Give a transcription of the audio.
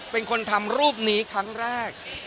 เป็นคนทำรูปนี้ครั้งแรก